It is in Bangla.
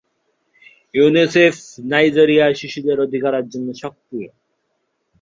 ইউনিসেফ নাইজেরিয়া শিশুদের অধিকারের জন্য সক্রিয়।